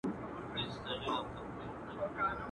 لس کلونه، سل کلونه، ډېر عمرونه.